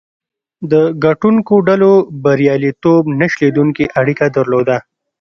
د ګټونکو ډلو بریالیتوب نه شلېدونکې اړیکه درلوده.